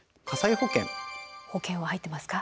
保険は入ってますか？